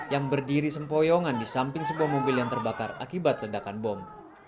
yang berdiri sempoyongan di samping sebuah mobil yang terbakar akibat ledakan bom